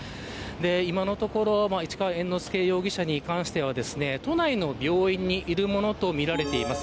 今のところ市川猿之助容疑者に関しては都内の病院にいるものとみられています。